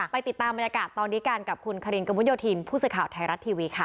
ไปติดตามมนาการตอนนี้กันกับคุณคารินกระมุดโยธีนพูดสภาว